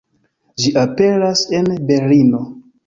Ĝi aperas en Berlino.